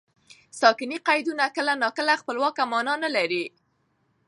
ساکني قیدونه کله ناکله خپلواکه مانا نه لري.